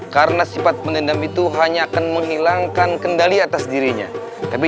karena sifat pendendam itu hanya akan menghilangkan kendali atas dirinya tapi